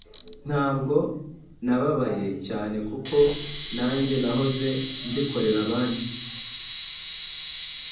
ntabwo nababaye cyane kuko nanjye nahoze mbikorera abandi